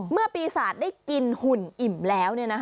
เมื่อปีศาจได้กินหุ่นอิ่มแล้ว